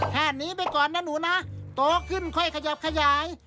หนีไปก่อนนะหนูนะโตขึ้นค่อยขยับขยาย